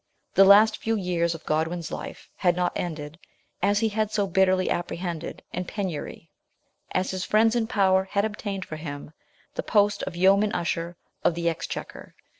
The last few years of Godwin's life had not ended, as he had so bitterly apprehended, in penury ; as his friends in power had obtained for him the post of Yeoman Usher of the Exchequer, WIDOWHOOD.